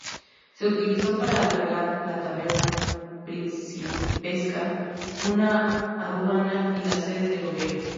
Se utilizó para albergar la taberna principesca, una aduana y la sede del gobierno.